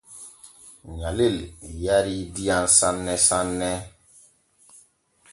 Nyalel yarii diyam sanne sanne.